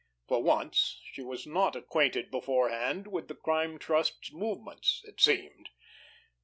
For once, she was not acquainted beforehand with the Crime Trust's movements, it seemed!